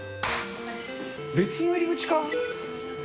別の入り口か？